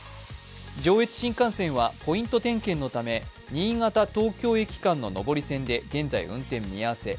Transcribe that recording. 上越新幹線はポイント点検のため、新潟−東京駅間の上り線で現在運転見合せ。